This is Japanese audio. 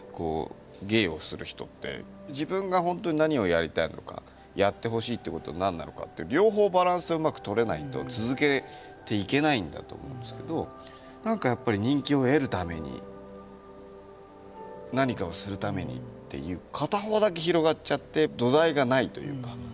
芸をする人って自分が本当に何をやりたいのかやってほしい事は何なのかと両方バランスがうまくとれないと続けていけないんだと思うんですけど人気を得るために何かをするためにっていう片方だけ広がっちゃって土台がないというか。